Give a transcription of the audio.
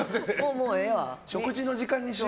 もうええわって。